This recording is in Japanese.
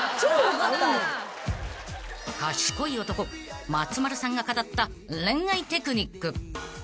［賢い男松丸さんが語った恋愛テクニック］